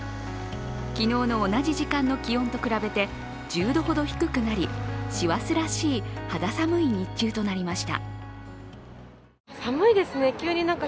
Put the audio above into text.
昨日の同じ時間の気温と比べて１０度ほど低くなり師走らしい肌寒い一日となりました。